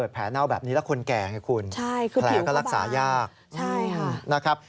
ใช่ค่ะ